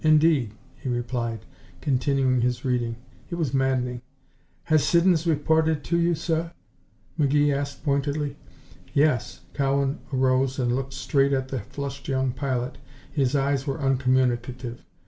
"Indeed," he replied, continuing his reading. It was maddening. "Has Siddons reported to you, sir?" McGee asked, pointedly. "Yes." Cowan arose and looked straight at the flushed young pilot. His eyes were uncommunicative.